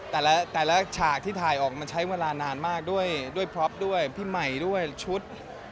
แต่ละฉากที่ถ่ายออกมันใช้เวลานานมากด้วยพล็อปด้วยพี่ใหม่ด้วยชุด